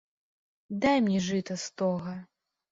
Дай мне жыта стога.